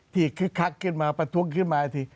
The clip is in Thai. ที่คลักขึ้นมาประทุกข์ขึ้นมา